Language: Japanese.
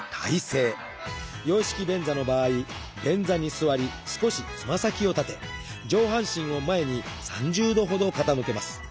洋式便座の場合便座に座り少しつま先を立て上半身を前に３０度ほど傾けます。